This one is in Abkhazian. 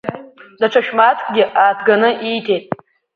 Даҽа шә-мааҭкгьы ааҭганы ииҭеит.